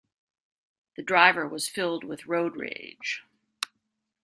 The driver was filled with road rage.